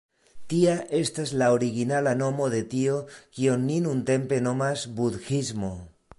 Tia estas la originala nomo de tio, kion ni nuntempe nomas budhismo.